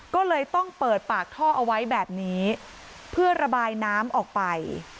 ก็เลยต้องเปิดปากท่อเอาไว้แบบนี้เพื่อระบายน้ำออกไป